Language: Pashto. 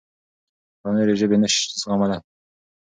او نورې ژبې نه شي زغملی.